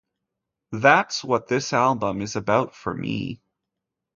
That's what this album is about for me.